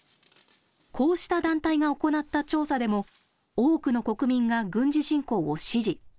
こうした団体が行った調査でも、多くの国民が軍事侵攻を支持。